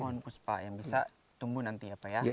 mohon puspa yang bisa tumbuh nanti ya pak ya